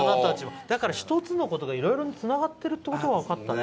だから１つのことがいろいろつながっていることが分かったね。